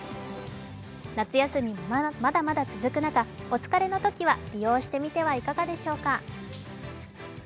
夏休みもまだまだ続く中、お疲れのときは利用してみてはいかがでしょうか。